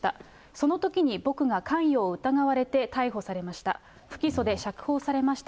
そのときに僕が関与を疑われて逮捕されました。